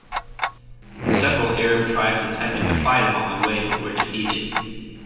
Several Arab tribes attempted to fight him on the way, but were defeated.